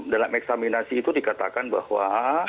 dalam eksaminasi itu dikatakan bahwa